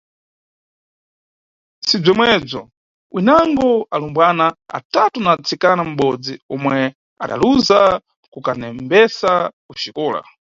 Si bzomwebzo, winango alumbwana atatu na ntsikana mʼbodzi omwe adaluza kukanembesa ku xikola.